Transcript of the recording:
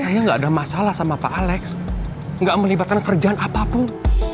saya nggak ada masalah sama pak alex nggak melibatkan kerjaan apapun